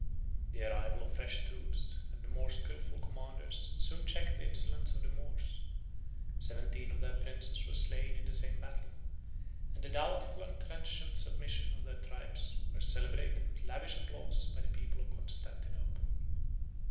411 The arrival of fresh troops and more skilful commanders soon checked the insolence of the Moors: seventeen of their princes were slain in the same battle; and the doubtful and transient submission of their tribes was celebrated with lavish applause by the people of Constantinople.